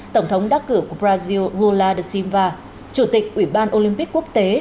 tổng thống đắc cử của brazil gula da silva chủ tịch ủy ban olympic quốc tế